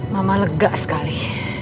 mama lega sekali